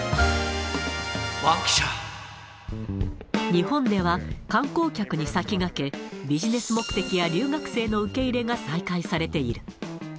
日本では、観光客に先駆け、ビジネス目的や留学生の受け入れが再開されている。